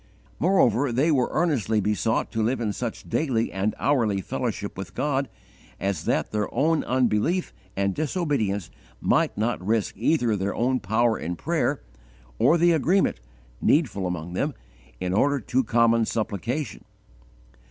Moreover, they were earnestly besought to live in such daily and hourly fellowship with God as that their own unbelief and disobedience might not risk either their own power in prayer, or the agreement, needful among them, in order to common supplication.